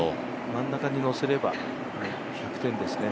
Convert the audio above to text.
真ん中に乗せれば１００点ですね。